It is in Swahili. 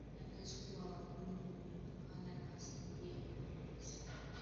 ya rasi kubwa ya Uarabuni Imepakana na Saudia upande wa kusini